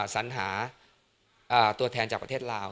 สัญหาตัวแทนจากประเทศลาว